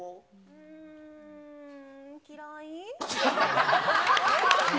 うーん、嫌い？